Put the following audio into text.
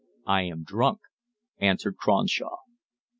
"I am drunk," answered Cronshaw.